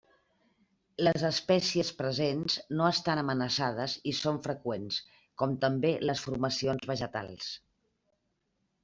Les espècies presents no estan amenaçades i són freqüents, com també les formacions vegetals.